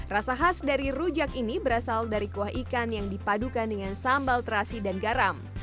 rasa khas dari rujak ini berasal dari kuah ikan yang dipadukan dengan sambal terasi dan garam